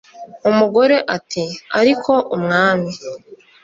umugore ati"ariko umwami